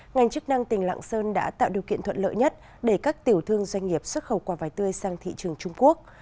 ngành chức năng tỉnh lạng sơn đã tạo điều kiện thuận lợi nhất để các tiểu thương doanh nghiệp xuất khẩu quả vải tươi sang thị trường trung quốc